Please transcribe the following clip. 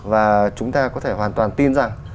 và chúng ta có thể hoàn toàn tin rằng